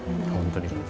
本当に。